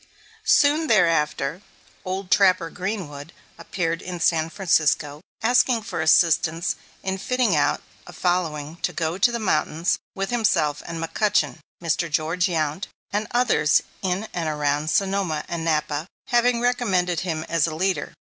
Soon thereafter "Old Trapper Greenwood" appeared in San Francisco, asking for assistance in fitting out a following to go to the mountains with himself and McCutchen, Mr. George Yount and others in and around Sonoma and Napa having recommended him as leader.